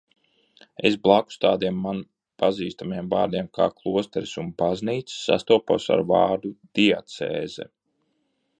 "Es blakus tādiem man pazīstamiem vārdiem kā "klosteris" un "baznīca" sastapos ar vārdu "diacēze"."